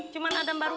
cuman ada yang beli